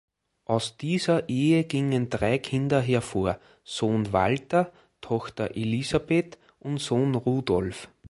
Aus dieser Ehe gingen drei Kinder hervor, Sohn Walter, Tochter Elisabeth und Sohn Rudolf.